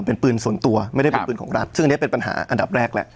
เป็นปืนส่วนตัวไม่ได้เป็นปืนของรัฐซึ่งอันนี้เป็นปัญหาอันดับแรกแล้ว